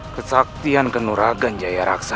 kesaktian kenuragan jaya raksa